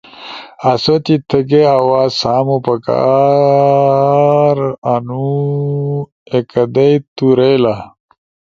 آسو تی تگھے آواز سامو پکارنو ای کدئی تُو رائیلا۔